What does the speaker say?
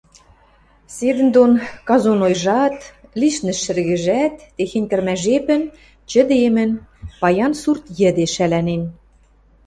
Седӹндон казонойжат, лишнӹш шӹргӹжӓт техень кӹрмӓ жепӹн чӹдемӹн, паян сурт йӹде шӓлӓнен.